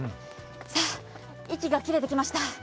さあ、息が切れてきました。